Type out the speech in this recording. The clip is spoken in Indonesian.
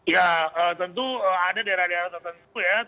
ya tentu ada daerah daerah tertentu ya